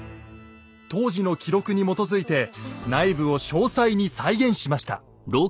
当時の記録に基づいて内部を詳細に再現しました。